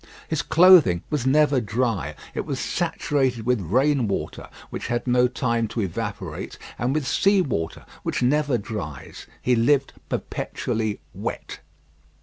His clothing was never dry. It was saturated with rain water, which had no time to evaporate, and with sea water, which never dries. He lived perpetually wet.